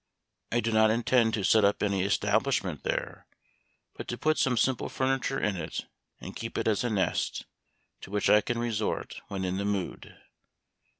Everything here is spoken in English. I do not intend to set up any establishment there, but to put some simple furniture in it and keep it as a nest, to which I can resort when in the mood."